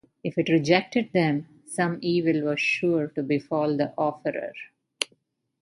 If it rejected them, some evil was sure to befall the offerer.